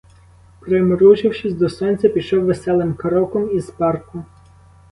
Примружившись до сонця, пішов веселим кроком із парку.